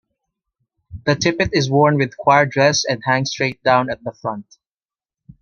The tippet is worn with choir dress and hangs straight down at the front.